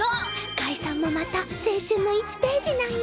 解散もまた青春の１ページなんよ。